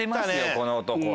この男は。